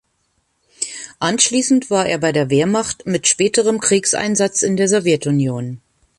Anschließend war er bei der Wehrmacht mit späterem Kriegseinsatz in der Sowjetunion.